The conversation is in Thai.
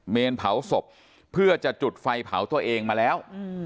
เนรเผาศพเพื่อจะจุดไฟเผาตัวเองมาแล้ว